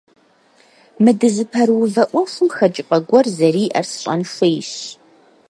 Мы дызыпэрыувэ Ӏуэхум хэкӀыпӀэ гуэр зэриӀэр сщӀэн хуейщ.